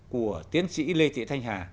của tiến sĩ lê thị thanh hà